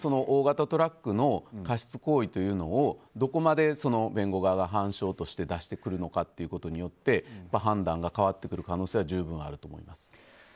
大型トラックの過失行為をどこまで弁護側が反証として出してくるのかによって判断が変わってくる可能性は十分にあると思います。